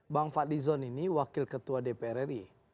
bang fadlizon ini wakil ketua dpr ri